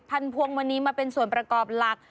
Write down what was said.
พวงมณีมาเป็นส่วนประกอบหลัก